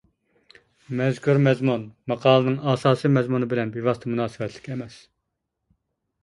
مەزكۇر مەزمۇن ماقالىنىڭ ئاساسىي مەزمۇنى بىلەن بىۋاسىتە مۇناسىۋەتلىك ئەمەس.